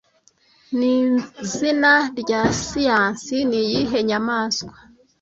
nizina rya siyansi niyihe nyamaswa